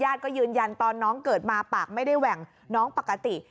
ก็ยืนยันตอนน้องเกิดมาปากไม่ได้แหว่งน้องปกติ